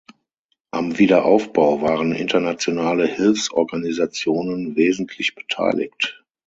Am Wiederaufbau waren internationale Hilfsorganisationen wesentlich beteiligt.